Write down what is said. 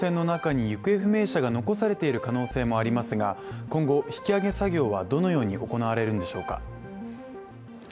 沈没した観光船の中に行方不明者が残されている可能性もありますが、今後、引き揚げ作業はどのように行われるんでしょうか？